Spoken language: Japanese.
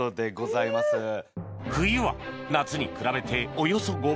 冬は夏に比べておよそ５倍！